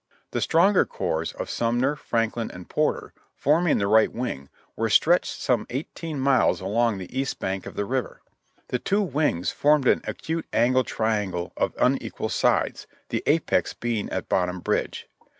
The stronger corps of Sumner, FrankHn and Porter, forming the right wing, were stretched some eighteen miles along the east bank of the river. The two wings formed an acute angle triangle of unequal sides, the apex being at Bottom Bridge.